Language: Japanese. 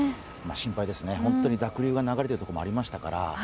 心配ですね、濁流が流れている所もありましたから。